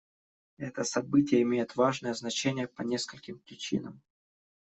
Это событие имеет важное значение по нескольким причинам.